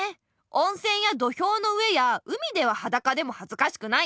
おんせんや土俵の上や海でははだかでもはずかしくない。